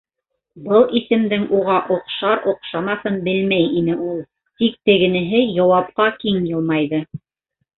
Был исемдең уға оҡшар-оҡшамаҫын белмәй ине ул, тик тегенеһе яуапҡа киң йылмайҙы.